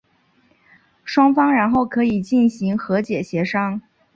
双方然后可以进行和解协商。